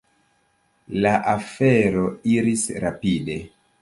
La afero iris rapide.